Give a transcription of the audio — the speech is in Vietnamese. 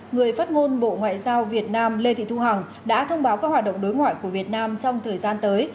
người phát ngôn bộ ngoại giao việt nam lê thị thu hằng đã thông báo các hoạt động đối ngoại của việt nam trong thời gian tới